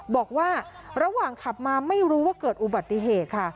บอกว่าระหว่างขับมาไม่รู้ว่าเกิดอุบัติเหตุค่ะ